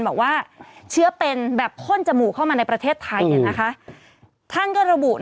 แบบว่าเชื้อเป็นแบบข้นจมูกเข้ามาในประเทศไทยเห็นไหมคะท่านก็ระบุใน